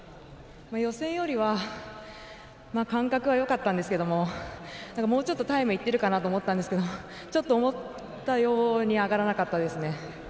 予選よりは感覚はよかったんですけどももうちょっとタイムいってるかなと思ったんですけどちょっと思ったように上がらなかったですね。